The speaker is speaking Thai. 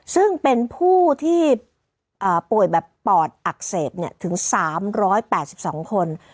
ซึ่งเป็นผู้ที่ป่วยแบบปอดอักเสบถึง๓๘๒คน